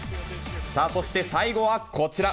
そして、最後はこちら。